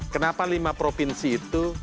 kenapa lima provinsi itu